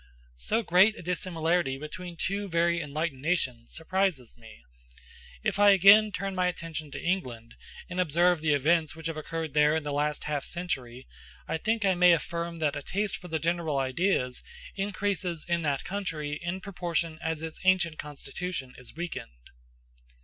So great a dissimilarity between two very enlightened nations surprises me. If I again turn my attention to England, and observe the events which have occurred there in the last half century, I think I may affirm that a taste for general ideas increases in that country in proportion as its ancient constitution is weakened.